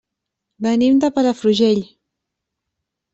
Venim de Palafrugell.